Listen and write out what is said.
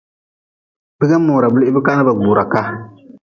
Biga mora blihbka na ba gbura ka.